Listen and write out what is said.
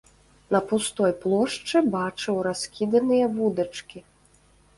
На пустой плошчы бачыў раскіданыя вудачкі.